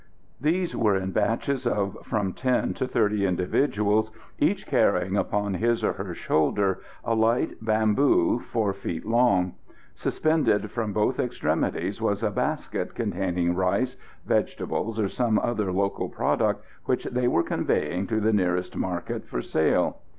These were in batches of from ten to thirty individuals, each carrying upon his or her shoulder a light bamboo, 4 feet long. Suspended from both extremities was a basket containing rice, vegetables, or some other local product which they were conveying to the nearest market for sale.